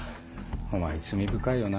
お前罪深いよな。